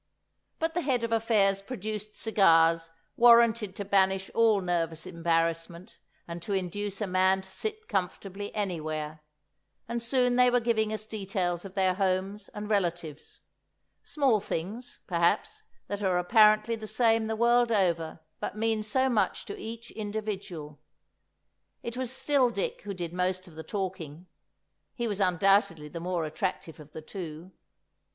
But the Head of Affairs produced cigars warranted to banish all nervous embarrassment and to induce a man to sit comfortably anywhere; and soon they were giving us details of their homes and relatives—small things, perhaps, that are apparently the same the world over, but mean so much to each individual. It was still Dick who did most of the talking. He was undoubtedly the more attractive of the two.